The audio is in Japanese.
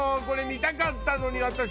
これ見たかったのに私。